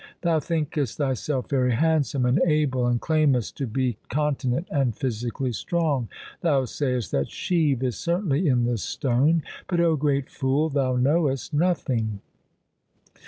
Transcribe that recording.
Thou thinkest thyself very handsome and able, and claimest to be con tinent and physically strong. Thou say est that Shiv is certainly in the stone, but, O great fool, thou knowest nothing.